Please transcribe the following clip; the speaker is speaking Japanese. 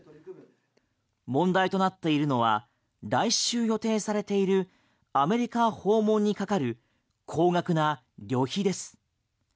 問題となっているのは来週予定されているアメリカ訪問にかかる高額な旅費です。